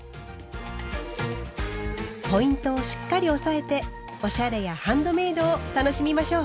ポイントをしっかり押さえておしゃれやハンドメイドを楽しみましょう。